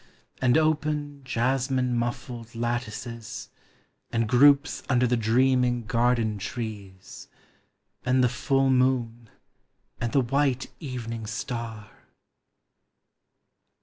And open, jasmine muffled lattices. And groups under the dreaming garden trees, And the full, moon, ami the white evening star.